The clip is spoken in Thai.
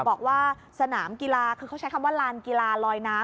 บอกว่าสนามกีฬาคือเขาใช้คำว่าลานกีฬาลอยน้ำ